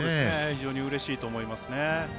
非常にうれしいと思います。